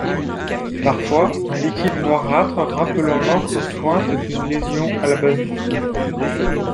Parfois, un liquide noirâtre rappelant l'encre suinte d'une lésion à la base du tronc.